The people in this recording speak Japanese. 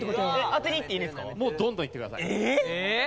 もうどんどんいってください。え！？